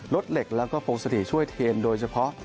เหล็กแล้วก็พงศถีช่วยเทนโดยเฉพาะ